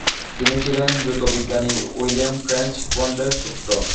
তিনি ছিলেন জ্যোতির্বিজ্ঞানী উইলিয়াম ক্র্যাঞ্চ বন্ডের পুত্র।